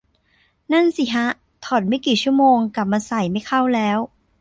นั่นสิฮะ ถอดไม่กี่ชั่วโมง กลับมาใส่ไม่เข้าแล้ว